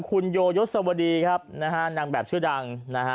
คุณโยยสวดีครับนางแบบชื่อดัง